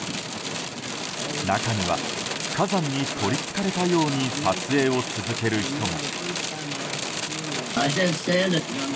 中には火山にとりつかれたように撮影を続ける人も。